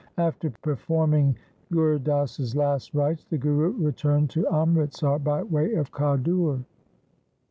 After performing Gur Das's last rites the Guru returned to Amritsar by way of Khadur.